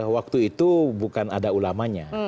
waktu itu bukan ada ulamanya